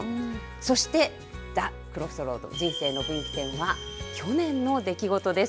そして、ＴｈｅＣｒｏｓｓｒｏａｄ人生の分岐点は、去年の出来事です。